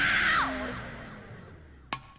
あれ？